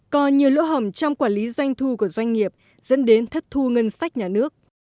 còn nhiều lỗ hầm trong quản lý doanh thu của doanh nghiệp dẫn đến thất thu ngân sách nhà nước